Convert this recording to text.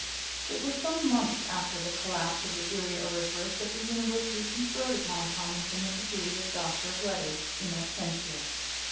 It was some months after the collapse of the Erie Auriferous that the university conferred upon Tomlinson the degree of Doctor of Letters in absentia.